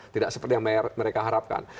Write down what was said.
tidak seperti yang mereka harapkan